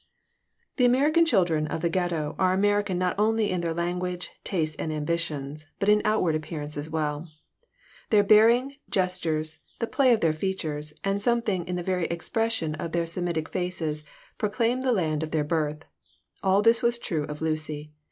The American children of the Ghetto are American not only in their language, tastes, and ambitions, but in outward appearance as well. Their bearing, gestures, the play of their features, and something in the very expression of their Semitic faces proclaim the land of their birth. All this was true of Lucy.